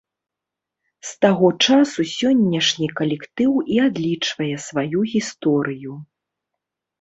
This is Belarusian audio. З таго часу сённяшні калектыў і адлічвае сваю гісторыю.